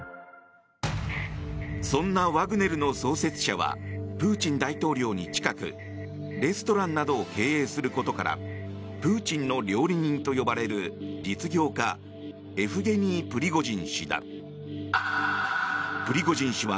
そんなワグネルの創設者はプーチン大統領に近くレストランなどを経営することからプーチンの料理人と呼ばれる実業家エフゲニー・プリゴジン氏だ。